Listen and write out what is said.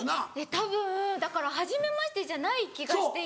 たぶんだからはじめましてじゃない気がしていて。